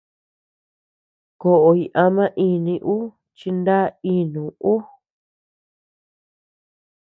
Koʼoy ama ini ú chi na inu ú.